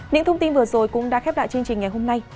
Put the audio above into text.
những thông tin vừa rồi cũng đã khép lại chương trình ngày hôm nay